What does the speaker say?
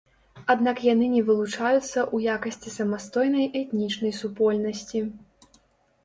Аднак яны не вылучаюцца ў якасці самастойнай этнічнай супольнасці.